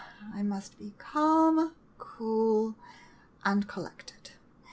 ] I must be calm, cool, and collected.